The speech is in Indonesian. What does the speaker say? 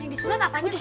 yang disunat apaan sih